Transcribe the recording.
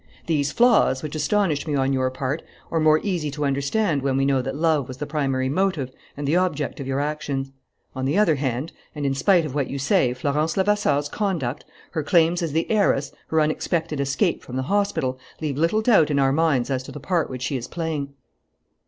"These flaws, which astonished me on your part, are more easy to understand when we know that love was the primary motive and the object of your actions. On the other hand, and in spite of what you say, Florence Levasseur's conduct, her claims as the heiress, her unexpected escape from the hospital, leave little doubt in our minds as to the part which she is playing."